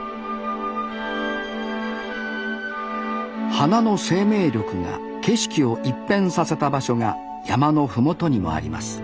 花の生命力が景色を一変させた場所が山の麓にもあります。